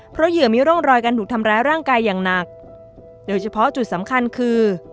เพราะเหยื่อมีร่องรอยการถูกทำร้ายร่างกายอย่างหนักโดยเฉพาะจุดสำคัญคือ